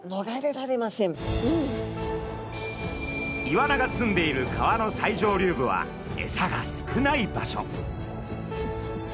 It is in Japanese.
イワナがすんでいる川の最上流部はエサが少ない場所。